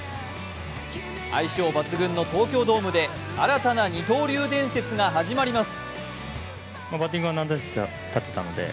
相性抜群の東京ドームで新たな二刀流伝説が始まります。